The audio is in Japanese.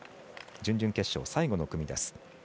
準々決勝、最後の組です。